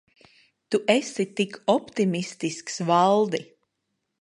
Tu esi tik optimistisks, Valdi.